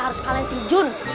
harus kalahin si jun